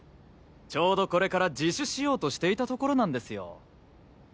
ちょうどこれから自首しようとしていたところなんですよ。